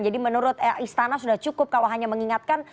jadi menurut istana sudah cukup kalau hanya mengingatkan